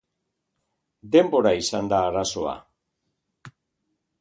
Denbora izan da arazoa.